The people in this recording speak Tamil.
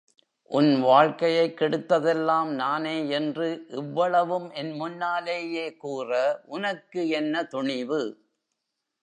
உன் வாழ்க்கையைக் கெடுத்ததெல்லாம் நானே என்று இவ்வளவும் என் முன்னாலேயே கூற உனக்கு என்ன துணிவு?